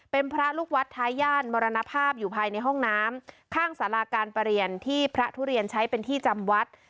เป็นพระลูกวัดท้าย่านมรณภาพอยู่ภายในห้องน้ำข้างสาราการประเรียนที่พระทุเรียนใช้เป็นที่จำวัด